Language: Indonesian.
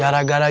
eh si ganteng